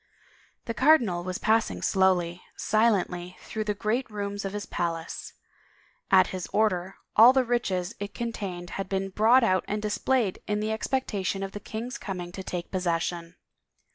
The cardinal was passing slowly, silently, through the great rooms of his palace. At his order, all the riches it contained had been brought out and displayed in the expectation of the king's coming to take possession.